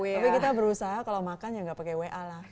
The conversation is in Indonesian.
tapi kita berusaha kalau makan ya nggak pakai wa lah